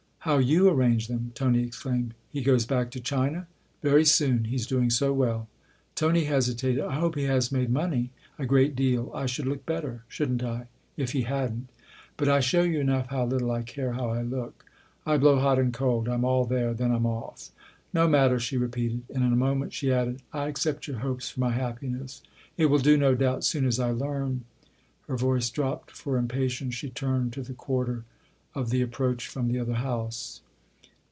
" How you arrange them !" Tony exclaimed. " He goes back to China ?"" Very soon he's doing so well." Tony hesitated. " I hope he has made money." "A great deal. I should look better shouldn't I ? if he hadn't. But I show you enough how little I care how I look. I blow hot and cold ; I'm all there then I'm off. No matter," she repeated. In a moment she added : "I accept your hopes for 252 THE OTHER HOUSE my happiness. It will do, no doubt, soon as I learn !" Her voice dropped for impatience ; she turned to the quarter of the approach from the other house.